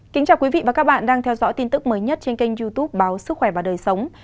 kính chào quý vị và các bạn đang theo dõi tin tức mới nhất trên kênh youtube báo sức khỏe và đời sống